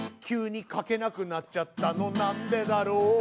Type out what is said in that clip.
「急に書けなくなっちゃったのなんでだろう」